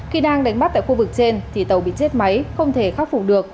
khi đang đánh bắt tại khu vực trên thì tàu bị chết máy không thể khắc phục được